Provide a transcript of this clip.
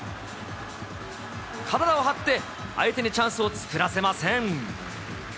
体を張って、相手にチャンスを作らせません。